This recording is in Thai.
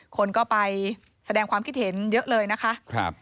คนก็ไปแสดงความคิดเห็นเยอะเลยนะคะ